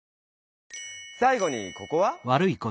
さい後にここは？